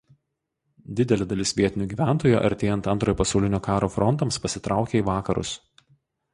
Didelė dalis vietinių gyventojų artėjant Antrojo pasaulinio karo frontams pasitraukė į Vakarus.